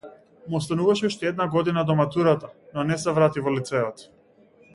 Му остануваше уште една година до матурата, но не се врати во лицејот.